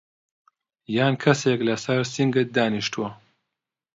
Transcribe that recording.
یان کەسێک لەسەر سنگت دانیشتووه؟